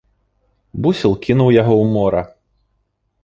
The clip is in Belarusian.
Бусел кінуў яго ў мора.